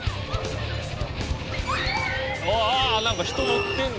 あ何か人乗ってんだ！